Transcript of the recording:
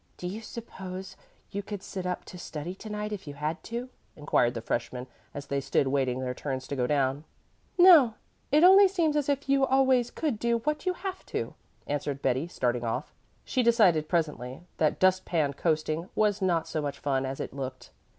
"Do you suppose you could sit up to study to night if you had to?" inquired the freshman as they stood waiting their turns to go down. "No, only it seems as if you always could do what you have to," answered Betty, starting off. She decided presently that dust pan coasting was not so much fun as it looked.